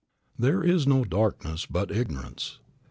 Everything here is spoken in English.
"THERE is no darkness but ignorance."